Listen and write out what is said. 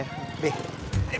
eh bangun ya